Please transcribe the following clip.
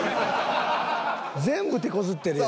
全部手こずってる。